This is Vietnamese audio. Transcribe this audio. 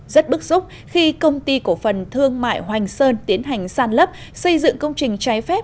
rất bức xúc khi công ty cổ phần thương mại hoành sơn tiến hành sàn lấp xây dựng công trình trái phép